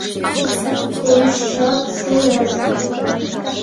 — Пеш чот шуэш.